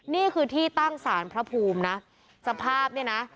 นี่คือที่ตั้งสารพระภูมินะสภาพเนี่ยนะ